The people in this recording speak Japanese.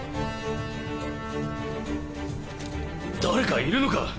誰かいるのか？